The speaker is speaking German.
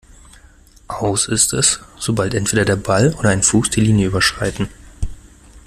Aus ist es, sobald entweder der Ball oder ein Fuß die Linie überschreiten.